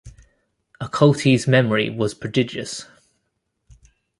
Accolti's memory was prodigious.